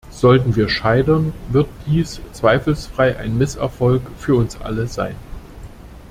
Sollten wir scheitern, wird dies zweifelsfrei ein Misserfolg für uns alle sein.